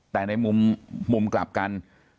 แต่ในมุมกลับกัน